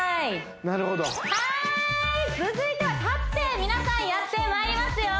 なるほどはーい続いては立って皆さんやってまいりますよ